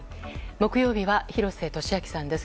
木曜日は廣瀬俊朗さんです。